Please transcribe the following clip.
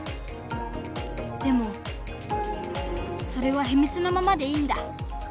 でもそれはひみつのままでいいんだ。